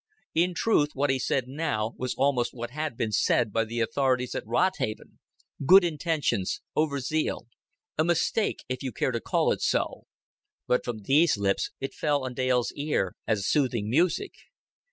In truth what he said now was almost what had been said by the authorities at Rodhaven good intentions, over zeal, a mistake, if you care to call it so; but from these lips it fell on Dale's ear as soothing music.